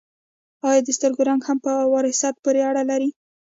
ایا د سترګو رنګ هم په وراثت پورې اړه لري